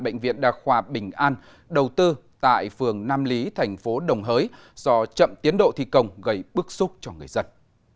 bệnh viện đa khoa bình an đầu tư tại phường nam lý thành phố đồng hới do chậm tiến độ thi công gây bức xúc cho người dân